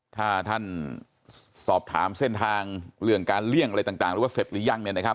ถ้าท่านสอบถามเส้นทางเรื่องการเลี่ยงอะไรต่างหรือว่าเสร็จหรือยังเนี่ยนะครับ